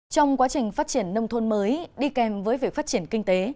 trong quá trình phát triển nông thôn mới đi kèm với việc phát triển kinh tế